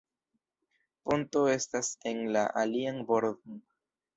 Ponto estas en la alian bordon.